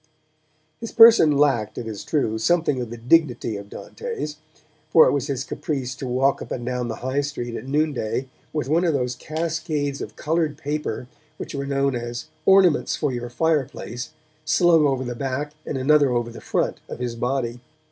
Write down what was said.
His person lacked, it is true, something of the dignity of Dante's, for it was his caprice to walk up and down the High Street at noonday with one of those cascades of coloured paper which were known as 'ornaments for your fireplace' slung over the back and another over the front of his body.